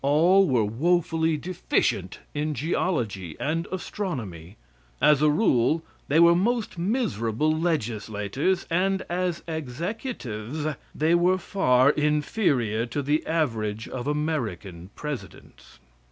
All were woefully deficient in geology and astronomy. As a rule, they were most miserable legislators, and as executives, they were far inferior to the average of American presidents.